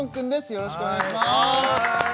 よろしくお願いします